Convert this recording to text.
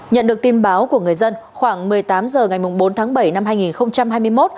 nhận được tin báo của người dân khoảng một mươi tám h ngày bốn tháng bảy năm hai nghìn hai mươi một